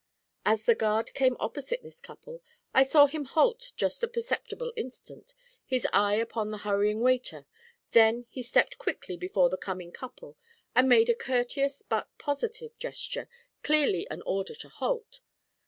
As the guard came opposite this couple I saw him halt just a perceptible instant, his eye upon the hurrying waiter; then he stepped quickly before the coming couple and made a courteous but positive gesture, clearly an order to halt.